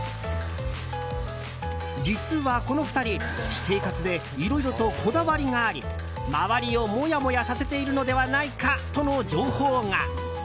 実はこの２人、私生活でいろいろとこだわりがあり周りをモヤモヤさせているのではないかとの情報が。